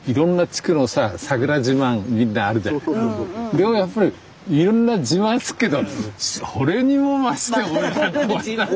でもやっぱりいろんな自慢すっけどそれにも増して俺らのところはさ。